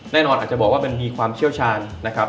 อาจจะบอกว่ามันมีความเชี่ยวชาญนะครับ